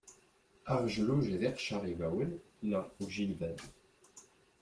Aɣedluj d iqcer ibawen neɣ ujilban.